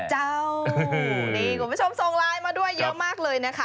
เจ้านี่คุณผู้ชมส่งไลน์มาด้วยเยอะมากเลยนะคะ